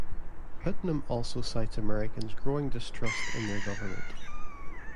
Putnam also cites Americans' growing distrust in their government.